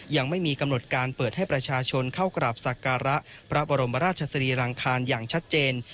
ยังไม่มีกำหนดการเปิดให้ประชาชนเข้ากราบศักระพระบรมราชสรีรังคารอย่างชัดเจน